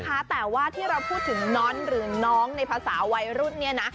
แหละแต่ว่าที่เราพูดถึงน้อนน้องในภาษาวัยรุ่นนี้นะ